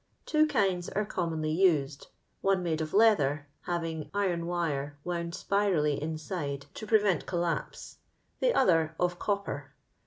Tie kinds sre commonly used; onemadeof leelha; having iron wire wound roirally inaide to iie ventedllspee, the other of copper.